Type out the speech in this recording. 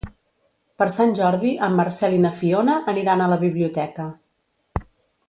Per Sant Jordi en Marcel i na Fiona aniran a la biblioteca.